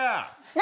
何？